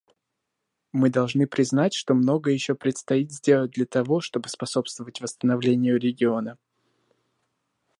Мы должны признать, что многое еще предстоит сделать для того, чтобы способствовать восстановлению региона.